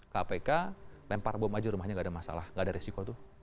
kpk lempar bom saja rumahnya tidak ada masalah tidak ada resiko